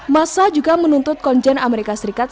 masa juga menuntut konjen amerika serikat